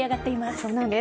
そうなんです。